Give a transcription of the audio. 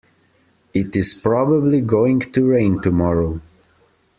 It is probably going to rain tomorrow.